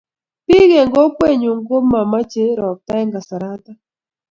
Biik eng kokwenyu komamochei ropta eng kasaratak.